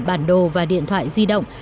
bản đồ và điện thoại di động